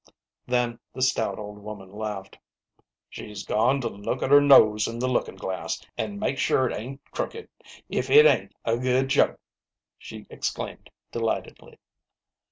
Then the stout old woman laughed. " She's gone to look at her nose in the lookin' glass, an' make sure it ain't crooked : if it ain't a good joke !" she exclaimed, delight edly.